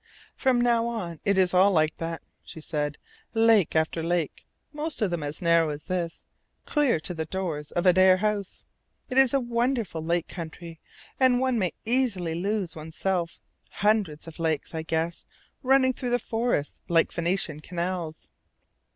"From now on it is all like that." she said. "Lake after lake, most of them as narrow as this, clear to the doors of Adare House. It is a wonderful lake country, and one may easily lose one's self hundreds of lakes, I guess, running through the forests like Venetian canals."